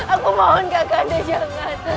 aku mohon kakanda jangan